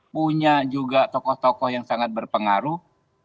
punya juga tokoh tokoh yang sangat berpengaruh